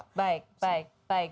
oke baik baik baik